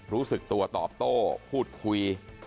รู้สึกตัวตอบโต้พูดคุย